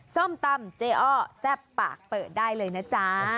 ส้มตำเจอ้อแซ่บปากเปิดได้เลยนะจ๊ะ